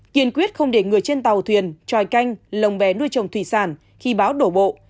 kiên quyết không để người trên tàu thuyền tròi canh lồng bé nuôi trồng thủy sản khi bão đổ bộ